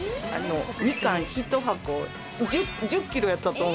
みかん１箱１０ｋｇやったと思います。